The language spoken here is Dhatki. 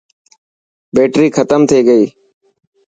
بيٽري ختم ٿي گئي.